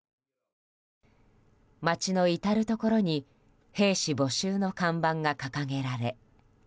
街の至るところに兵士募集の看板が掲げられ。